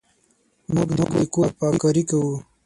موږ د کور پاککاري کوو.